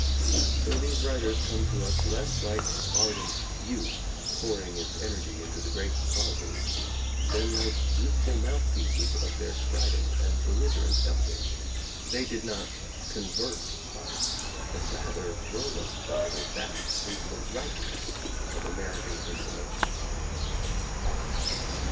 So these writers come to us less like ardent youth, pouring its energy into the great causes, than like youthful mouthpieces of their strident and belligerent elders. They did not convert us, but rather drove us farther back into the Tightness of American isolation.